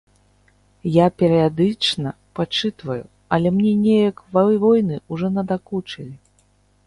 Я перыядычна пачытваю, але мне неяк войны ўжо надакучылі.